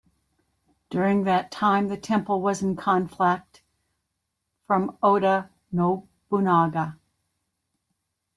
During that time the temple was in conflict from Oda Nobunaga.